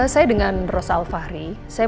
saya dengan rosal fahri